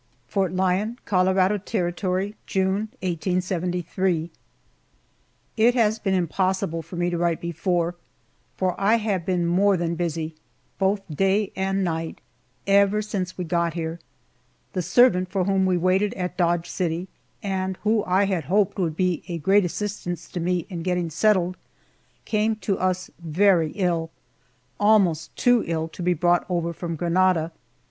FORT LYON, COLORADO TERRITORY, June, 1873. IT has been impossible for me to write before, for I have been more than busy, both day and night, ever since we got here. The servant for whom we waited at Dodge City, and who I had hoped would be a great assistance to me in getting settled, came to us very ill almost too ill to be brought over from Granada.